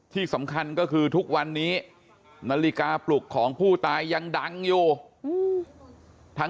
ที่สำคัญก็คือทุกวันนี้นาฬิกาปลุกของผู้ตายยังดังอยู่